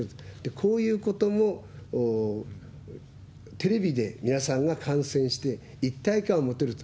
こういうこともテレビで皆さんが感染して、一体感を持てると。